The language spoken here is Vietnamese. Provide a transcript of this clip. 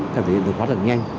thì thực hiện được quá là nhanh